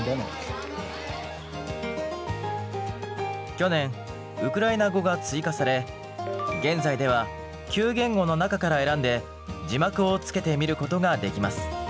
去年ウクライナ語が追加され現在では９言語の中から選んで字幕をつけて見ることができます。